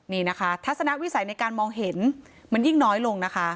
นี่นะคะทัศนวิสัยในการมองเห็นมันยิ่งน้อยลงนะคะ